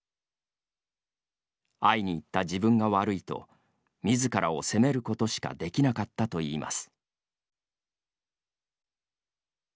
会いに行った自分が悪いと自らを責めることしかできなかったといいます。